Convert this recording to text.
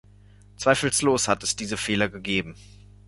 Zweifellos hat es diese Fehler gegeben.